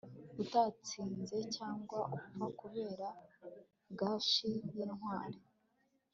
Utatsinze cyangwa upfa kubera gashi yintwari